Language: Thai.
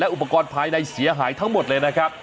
อุปกรณ์ภายในเสียหายทั้งหมดเลยนะครับ